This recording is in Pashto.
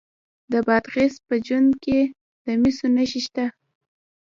د بادغیس په جوند کې د مسو نښې شته.